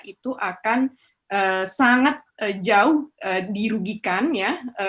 itu akan sangat jauh dirugikan ya